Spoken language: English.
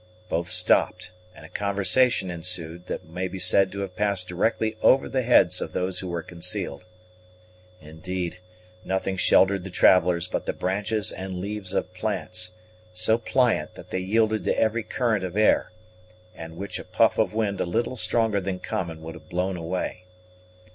Both stopped, and a conversation ensued, that may be said to have passed directly over the heads of those who were concealed. Indeed, nothing sheltered the travellers but the branches and leaves of plants, so pliant that they yielded to every current of air, and which a puff of wind a little stronger than common would have blown away.